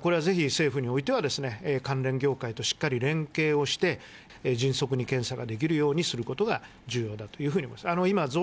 これはぜひ政府においては、関連業界としっかり連携をして、迅速に検査ができるようにすることが重要だというふうに思います。